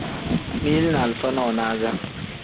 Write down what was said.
Mili ni alifa nonaza.